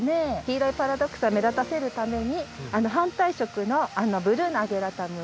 黄色いパラドクサを目立たせるために反対色のブルーのアゲラタム。